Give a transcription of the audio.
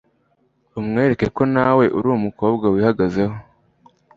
umwereke ko nawe uri umukobwa wihagazeho